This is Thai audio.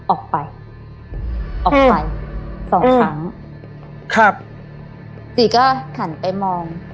ออกไปออกไปสองครั้งครับจีก็หันไปมอง